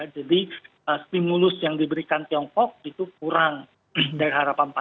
jadi stimulus yang diberikan tiongkok itu kurang dari harapan pasar